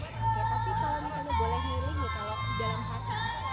kalau misalnya boleh milih